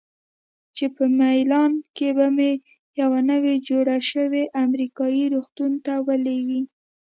چې په میلان کې به مې یوه نوي جوړ شوي امریکایي روغتون ته ولیږي.